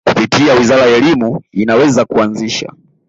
kupitia wizara ya Elimu inaweza kuanzisha